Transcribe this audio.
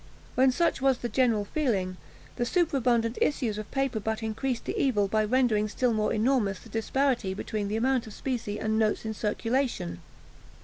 When such was the general feeling, the superabundant issues of paper but increased the evil, by rendering still more enormous the disparity between the amount of specie and notes in circulation.